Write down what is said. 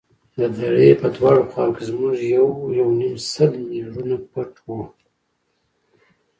د درې په دواړو خواوو کښې زموږ يو يونيم سل مېړونه پټ وو.